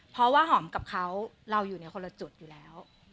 เพราะว่าหอมกับเขาเราอยู่ในคนละจุดอยู่แล้ว